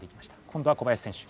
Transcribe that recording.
今度は小林選手。